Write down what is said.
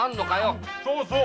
そうそう。